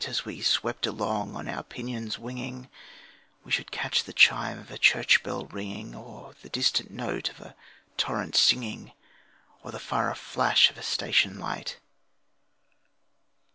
As we swept along on our pinions winging, We should catch the chime of a church bell ringing, Or the distant note of a torrent singing, Or the far off flash of a station light.